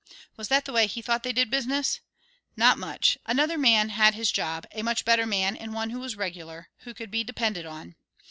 Was that the way he thought they did business? Not much; another man had his job, a much better man and one who was regular, who could be depended on.